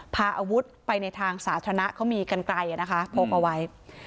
พาอาวุธไปในทางสาธารณะเขามีกันไกลนะคะพกเอาไว้